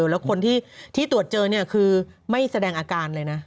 แล้วคนที่ตรวจเจอเนี่ยคือไม่แสดงอาการเลยนะ